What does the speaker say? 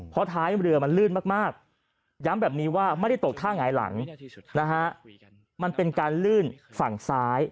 เพราะท้ายเรือมันลื่นมากย้ำแบบนี้ว่าไม่ได้ตกท่าหงายหลังนะฮะมันเป็นการลื่นฝั่งซ้าย